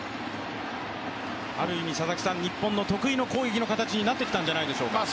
ある意味、日本の得意の攻撃の形になってきたんじゃないでしょうか。